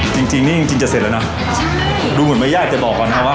จริงนี่จริงจะเสร็จแล้วเนอะดูหมดไม่ยากแต่บอกก่อนนะครับว่า